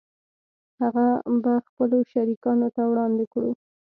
هغه به خپلو شریکانو ته وړاندې کړو